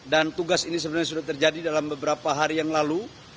dan tugas ini sebenarnya sudah terjadi dalam beberapa hari yang lalu